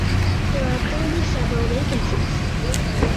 There are currently several vacancies.